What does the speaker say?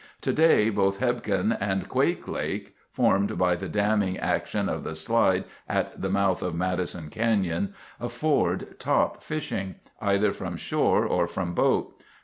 Today both Hebgen and Quake Lake—formed by the damming action of the slide at the mouth of Madison Canyon, afford top fishing, either from shore or from boat.